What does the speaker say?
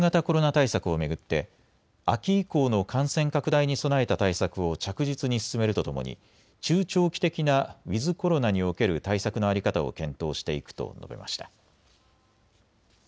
対策を巡って秋以降の感染拡大に備えた対策を着実に進めるとともに中長期的なウィズコロナにおける対策の在り方を検討していくと述べました。